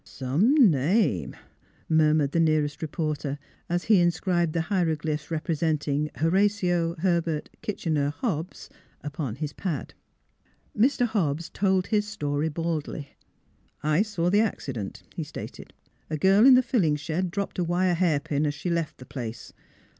" Some name !" murmured the nearest re porter, as he inscribed the hieroglyphs represent ing " Horatio Herbert Kitchener Hobbs " upon his pad. Mr. Hobbs told his story baldly. " I saw the accident," he stated. " A girl in the filling shed dropped a wire hairpin as she left the place.